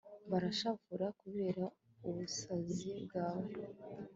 barashavura kubera ubusazi bwawe